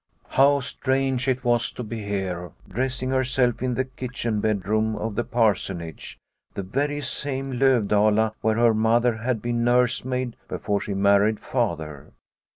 How strange it was to be here, dressing herself in the kitchen bedroom of the Parsonage, the very same Lovdala where her Mother had been nursemaid before she married Father.